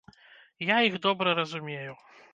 Я іх добра разумею.